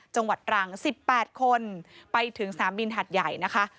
จังหวัดตรัง๑๘คนไปถึงสนามบินหัดใหญ่นะคะ